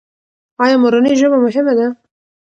ایا مورنۍ ژبه مهمه ده؟